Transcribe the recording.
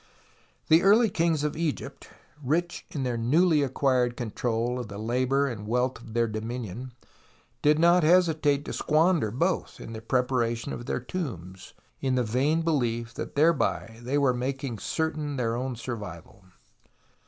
The early kings of Egypt, rich in their newly acquired control of the labour and wealth of their dominion, did not hesitate to squander botli in tlie preparation of their tombs, in the vain belief tliat thereby they were making certain their own survival.